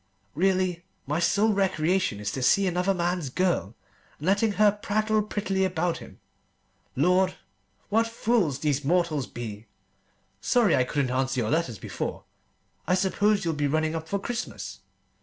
Really, my sole recreation is going to see another man's girl, and letting her prattle prettily about him. Lord, what fools these mortals be! Sorry I couldn't answer your letter before. I suppose you'll be running up for Christmas!